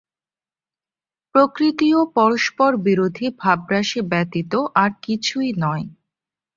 প্রকৃতিও পরস্পর-বিরোধী ভাবরাশি ব্যতীত আর কিছুই নয়।